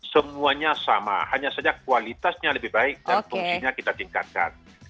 semuanya sama hanya saja kualitasnya lebih baik dan fungsinya kita tingkatkan